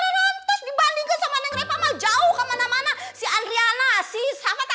rentas dibandingkan sama neng repa mah jauh kemana mana si andriana sih yes